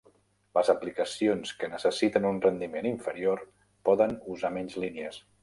Les aplicacions que necessiten un rendiment inferior, poden usar menys línies.